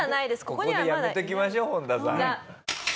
ここでやめときましょう本田さん。